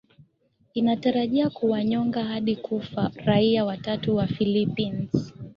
inatarajia kuwanyonga hadi kufa raia watatu wa philipins